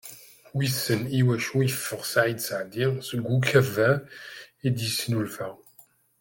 Wissen iwacu yeffeɣ Ssaɛid Seɛdi seg ukabar i d-yesnulfa.